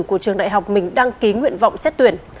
của trường đại học mình đăng ký nguyện vọng xét tuyển